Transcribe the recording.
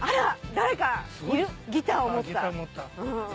誰かいるギターを持った。